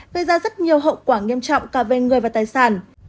gây ra rất nhiều hậu quả nghiêm trọng cả về người và tài sản